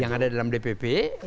yang ada dalam dpp